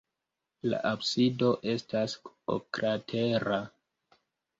La absido estas oklatera.